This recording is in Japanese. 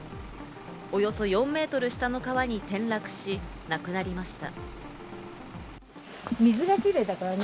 およそ４メートル下の川に転落し、亡くなりました。